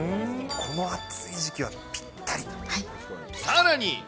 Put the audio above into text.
この暑い時期はぴったり。